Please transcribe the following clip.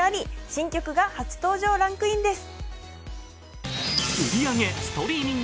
新曲が初登場ランクインです。